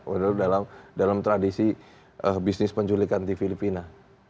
padahal dalam tradisi bisnis penculikan di filipina